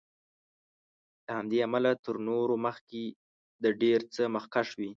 له همدې امله تر نورو مخکې د ډېر څه مخکښ وي.